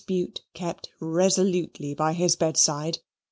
Bute kept resolutely by his bedside.